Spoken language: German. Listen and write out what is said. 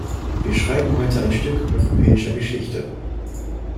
Wir schreiben heute ein Stück europäischer Geschichte.